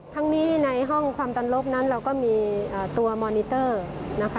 ทั้งนี้ในห้องความดันลบนั้นเราก็มีตัวมอนิเตอร์นะคะ